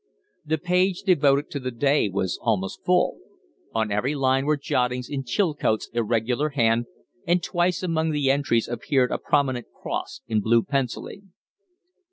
The page devoted to the day was almost full. On every other line were jottings in Chilcote's irregular hand, and twice among the entries appeared a prominent cross in blue pencilling.